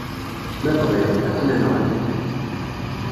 Ma bɣiɣ, ad ken-nɣen.